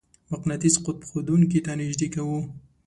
مقناطیس قطب ښودونکې ته نژدې کوو.